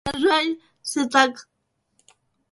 На жаль, це так.